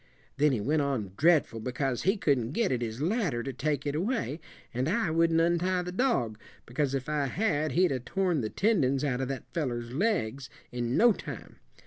Then he went on dreadful because he couldn't get at his ladder to take it away; and I wouldn't untie the dog, because if I had he'd 'a' torn the tendons out of that fellow's legs in no time.